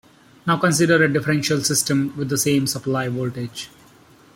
Now consider a differential system with the same supply voltage.